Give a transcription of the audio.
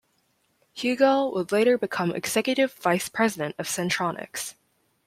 Hugel would later become executive vice president of Centronics.